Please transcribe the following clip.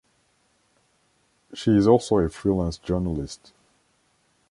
She is also a freelance journalist.